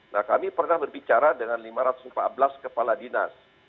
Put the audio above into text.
nah kami pernah berbicara dengan lima ratus empat belas kepala dinas